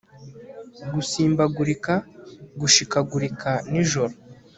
gusimbagurika gushikagurika nijoro